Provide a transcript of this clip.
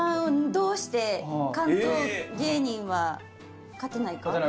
「Ｍ−１どうして関東芸人は勝てないか」